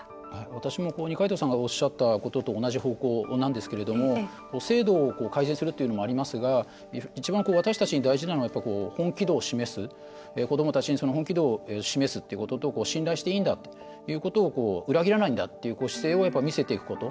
私も二階堂さんがおっしゃったことと同じようなことなんですけども制度を改善するというのもありますが一番私たちに大切なのが子どもたちに本気度を示すっていうこと信頼していいんだということを裏切らないんだという姿勢を見せていくこと。